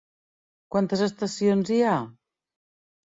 Quantes estacions hi ha?